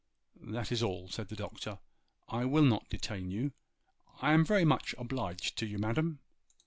'That is all,' said the Doctor. 'I will not detain you. I am very much obliged to you, madam.